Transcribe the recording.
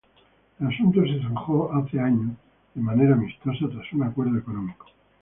El asunto se zanjó hace años de manera amistosa tras un acuerdo económico.